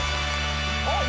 あっ。